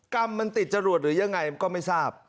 กรรมมันติดจรวดหรือยังไงก็ไม่ทราบ